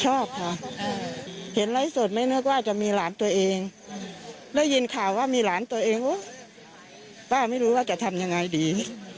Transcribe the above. โอ๊ยป้าไม่รู้ว่าจะทำอย่างไรดี